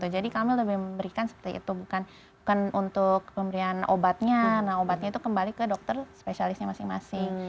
jadi kami lebih memberikan seperti itu bukan untuk pemberian obatnya nah obatnya itu kembali ke dokter spesialisnya masing masing